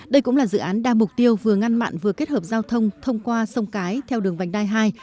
đây cũng là dự án đa mục tiêu vừa ngăn mặn vừa kết hợp giao thông thông qua sông cái theo đường vành đai hai